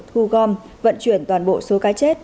thu gom vận chuyển toàn bộ số cá chết